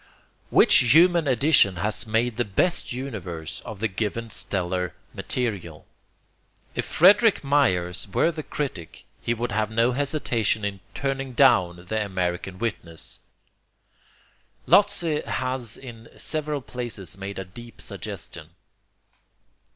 Which human addition has made the best universe of the given stellar material? If Frederick Myers were the critic, he would have no hesitation in 'turning down' the American witness. Lotze has in several places made a deep suggestion.